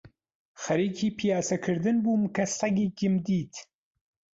خەریکی پیاسە کردن بووم کە سەگێکم دیت